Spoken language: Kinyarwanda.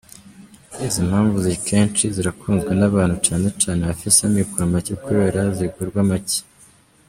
Izo mpuzu kenshi zirakunzwe n’abantu cane cane bafise amikoro make kubera zigurwa make.